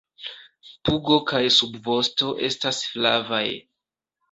Pugo kaj subvosto estas flavaj.